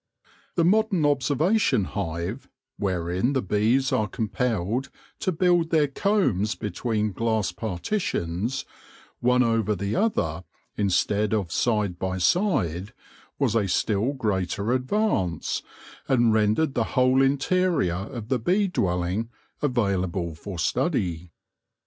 The modern observation hive, wherein the bees are compelled to build their combs between glass partitions, one over the other instead of side by side, was a still greater advance, and rendered the whole interior of the bee dwelling available for study.